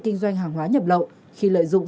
kinh doanh hàng hóa nhập lậu khi lợi dụng